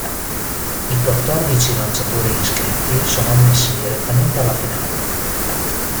I quattordici lanciatori iscritti sono ammessi direttamente alla finale.